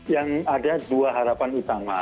yang ada dua harapan utama